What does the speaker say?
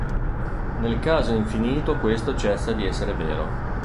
Nel caso infinito questo cessa di essere vero.